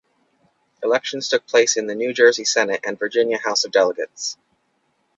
Elections took place in the New Jersey Senate and Virginia House of Delegates.